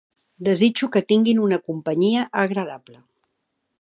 Desitjo que tinguin una companyia agradable.